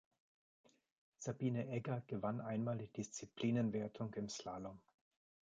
Sabine Egger gewann einmal die Disziplinenwertung im Slalom.